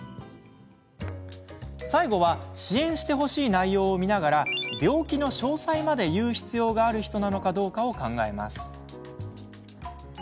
最後は支援してほしい内容を見ながら病気の詳細まで言う必要がある人なのかどうかを考えます。